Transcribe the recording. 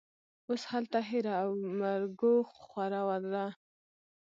اوس هلته هېره او مرګوخوره ده